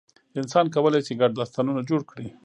انسان کولی شي ګډ داستانونه جوړ کړي.